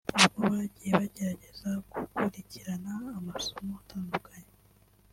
n’ubwo bagiye bagerageza gukurikirana amasomo atandukanye